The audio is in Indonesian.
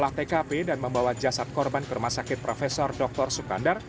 olah tkp dan membawa jasad korban ke rumah sakit prof dr sukandar